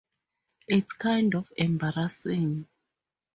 It's kind of embarrassing.